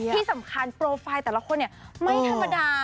ที่สำคัญโปรไฟล์แต่ละคนไม่ธรรมดา